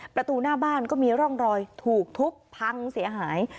ประตูหน้าบ้านก็มีร่องรอยถูกทุบพังเสียหาย